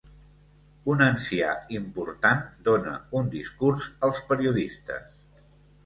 Un ancià important dóna un discurs als periodistes.